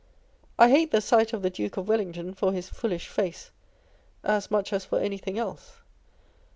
I hate the sight of the Duke of Wellington for his foolish face, as much as for anything else.